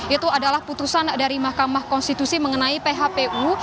itu adalah putusan dari mahkamah konstitusi mengenai phpu